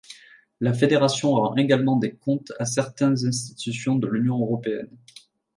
La Fédération rend également des comptes à certains institutions de l'Union européenne.